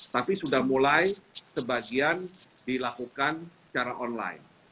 tapi sudah mulai sebagian dilakukan secara online